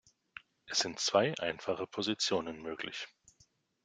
Es sind zwei einfache Positionen möglich.